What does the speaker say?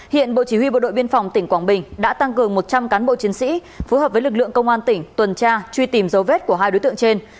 hiện bộ chỉ huy bộ đội biên phòng tỉnh quảng bình đã tăng cường một trăm linh cán bộ chiến sĩ phối hợp với lực lượng công an tỉnh tuần tra truy tìm dấu vết của hai đối tượng trên